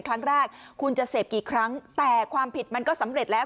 ครั้งแรกคุณจะเสพกี่ครั้งแต่ความผิดมันก็สำเร็จแล้ว